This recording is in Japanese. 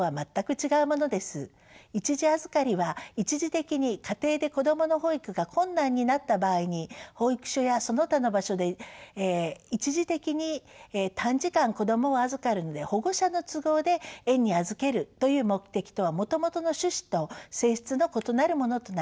一時預かりは一時的に家庭で子どもの保育が困難になった場合に保育所やその他の場所で一時的に短時間子どもを預かるもので保護者の都合で園に預けるという目的とはもともとの主旨と性質の異なるものとなります。